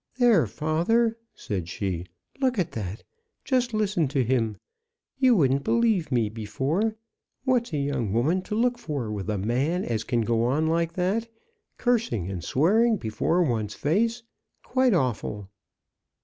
"There, father," said she, "look at that! just listen to him! You wouldn't believe me before. What's a young woman to look for with a man as can go on like that? cursing and swearing before one's face, quite awful!"